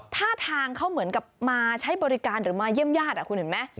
ท่าทางเขาเหมือนกับมาใช้บริการหรือมาเยี่ยมญาติคุณเห็นไหม